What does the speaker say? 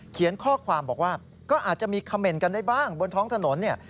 เขียนข้อความบอกว่าก็อาจจะมีคำเมนต์กันได้บ้างบนท้องถนนเนี่ย